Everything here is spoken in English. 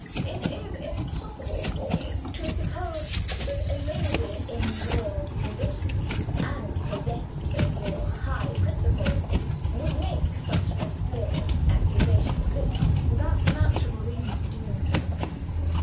It is impossible for me to suppose that a lady in your position, and possessed of your high principles, would make such a serious accusation as this, without unanswerable reasons for doing so.